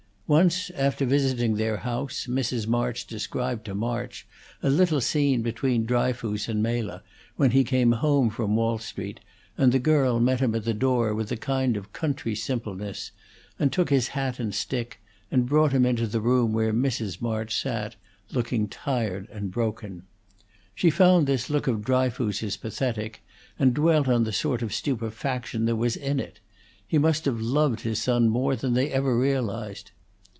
Once, after visiting their house, Mrs. March described to March a little scene between Dryfoos and Mela, when he came home from Wall Street, and the girl met him at the door with a kind of country simpleness, and took his hat and stick, and brought him into the room where Mrs. March sat, looking tired and broken. She found this look of Dryfoos's pathetic, and dwelt on the sort of stupefaction there was in it; he must have loved his son more than they ever realized.